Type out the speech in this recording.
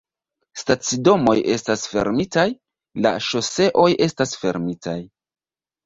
Stacidomoj estas fermitaj, la ŝoseoj estas fermitaj